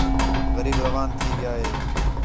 غریب روان تھی ڳِیا ہِے